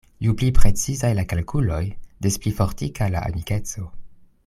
Ju pli precizaj la kalkuloj, des pli fortika la amikeco.